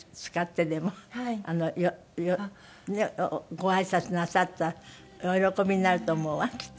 ごあいさつなさったらお喜びになると思うわきっとね。